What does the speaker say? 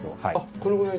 このぐらい？